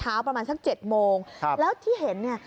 เมื่อเช้าประมาณสักเจ็ดโมงครับแล้วที่เห็นเนี้ย